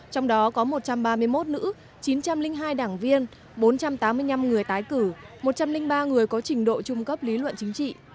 trong đó có một trăm ba mươi một nữ chín trăm linh hai đảng viên bốn trăm tám mươi năm người tái cử một trăm linh ba người có trình độ trung cấp lý luận chính trị